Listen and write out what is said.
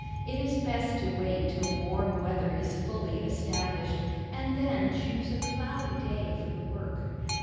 It is best to wait till warm weather is fully established, and then choose a cloudy day for the work.